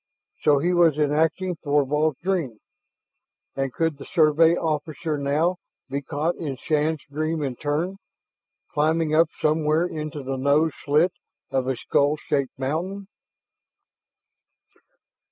So he was enacting Thorvald's dream! And could the Survey officer now be caught in Shann's dream in turn, climbing up somewhere into the nose slit of a skull shaped mountain?